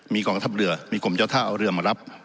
มีกองทัพเรือมีกรมเจ้าท่าเอาเรือมารับ